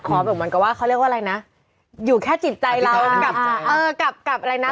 ขอแบบเหมือนกับว่าเขาเรียกว่าอะไรนะอยู่แค่จิตใจล่ะเออกับอะไรนะ